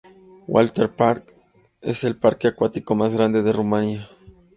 Water Park es el parque acuático más grande de Rumanía.